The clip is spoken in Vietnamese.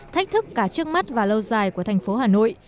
thách thức cả trước mắt và lâu dài của thành phố hà nội